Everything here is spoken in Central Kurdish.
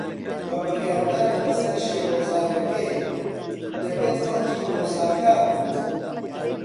بە بڕیاردان لەسەر شێوەزارەکەی، دەبێت خەڵکی ئۆساکا بێت.